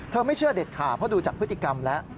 ไม่เชื่อเด็ดขาดเพราะดูจากพฤติกรรมแล้ว